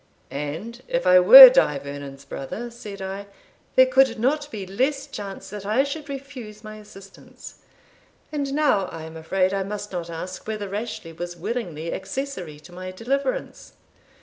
"And if I were Die Vernon's brother," said I, "there could not be less chance that I should refuse my assistance And now I am afraid I must not ask whether Rashleigh was willingly accessory to my deliverance?"